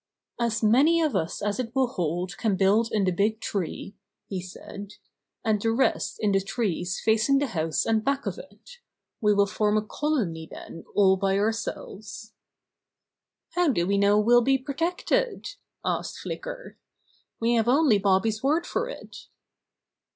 "As many of us as it will hold can build in the big tree," he said, "and the rest in the trees facing the house and back of it. We will form a colony then all by ourselves." "How do we know we'll be protected?" asked Flicker. "We have only Bobby's word for it."